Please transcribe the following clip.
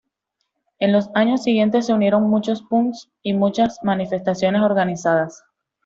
En los años siguientes se unieron muchos punks y muchas manifestaciones organizadas.